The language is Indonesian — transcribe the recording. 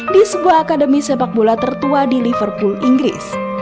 di sebuah akademi sepak bola tertua di liverpool inggris